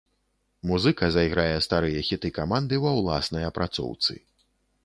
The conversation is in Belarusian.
Музыка зайграе старыя хіты каманды ва ўласнай апрацоўцы.